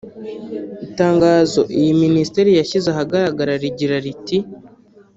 Itangazo iyi minisiteri yashyize ahagaragar rigira riti